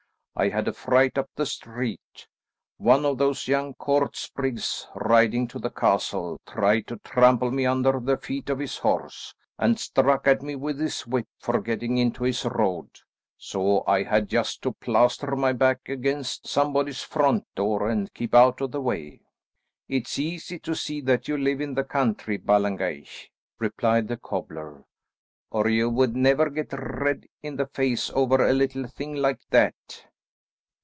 I had a fright up the street. One of those young court sprigs riding to the castle tried to trample me under the feet of his horse, and struck at me with his whip for getting into his road, so I had just to plaster my back against somebody's front door and keep out of the way." "It's easy to see that you live in the country, Ballengeich," replied the cobbler, "or you would never get red in the face over a little thing like that."